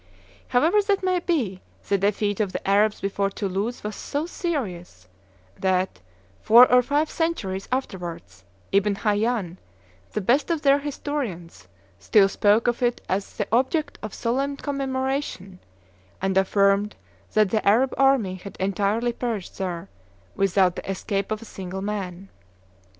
However that may be, the defeat of the Arabs before Toulouse was so serious that, four or five centuries afterwards, Ibn Hayan, the best of their historians, still spoke of it as the object of solemn commemoration, and affirmed that the Arab army had entirely perished there, without the escape of a single man.